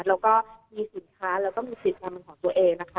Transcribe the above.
แล้วก็มีสินค้าแล้วก็มีสินค้าของตัวเองนะคะ